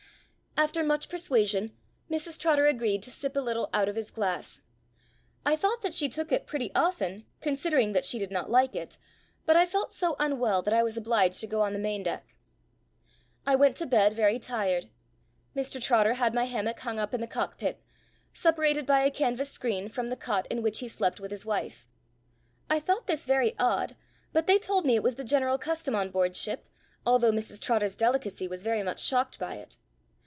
After much persuasion, Mrs Trotter agreed to sip a little out of his glass. I thought that she took it pretty often, considering that she did not like it, but I felt so unwell that I was obliged to go on the main deck. I went to bed very tired; Mr Trotter had my hammock hung up in the cock pit, separated by a canvas screen from the cot in which he slept with his wife. I thought this very odd, but they told me it was the general custom on board ship, although Mrs Trotter's delicacy was very much shocked by it.